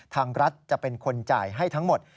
ทางรัฐจะเป็นคนจ่ายให้ทั้งหมด